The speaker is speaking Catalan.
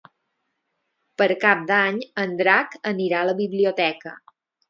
Per Cap d'Any en Drac anirà a la biblioteca.